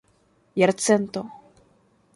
jarcento